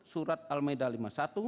surat al maida lima puluh satu